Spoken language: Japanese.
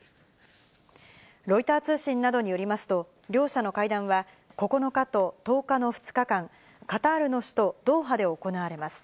ロイター通信などによりますと、両者の会談は９日と１０日の２日間、カタールの首都ドーハで行われます。